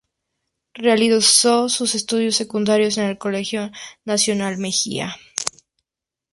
Realizó sus estudios secundarios en el Colegio Nacional Mejía.